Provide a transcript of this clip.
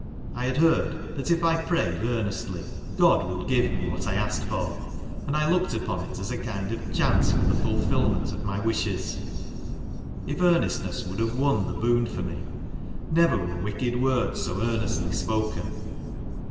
I had heard that if! prayed 'earnestly, (!o<! would give me Avhr.t J asked lor. :md I looked' ujion it as a k'md of chance for1 the. fulfilmentl of my wishes. .1 f earnestness wfmld have won the boon for me, never wero wicked words so ' earnestly spoken.